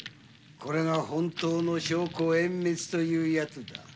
これが本当の証拠隠滅というやつだな。